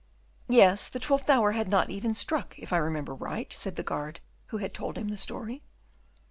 "Yes, the twelfth hour had not even struck, if I remember right," said the guard who had told him the story.